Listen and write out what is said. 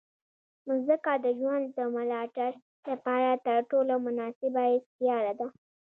مځکه د ژوند د ملاتړ لپاره تر ټولو مناسبه سیاره ده.